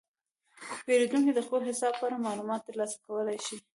پیرودونکي د خپل حساب په اړه معلومات ترلاسه کولی شي.